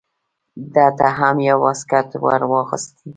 ده ته هم یو واسکټ ور اغوستی و.